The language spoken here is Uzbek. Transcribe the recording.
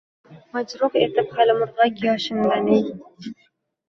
Majruh etib hali murgʼak yoshimdan-ey